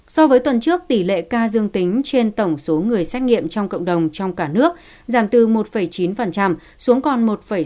so với tuần trước tỷ lệ ca dương tính trên tổng số người xét nghiệm trong cộng đồng trong cả nước giảm từ một chín xuống còn một sáu mươi